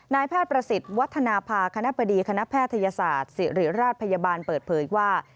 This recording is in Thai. นายแพทย์ประสิทธิ์วัฒนภาคณะบดีคณะแพทยศาสตร์ศิริราชพยาบาลเปิดเผยว่า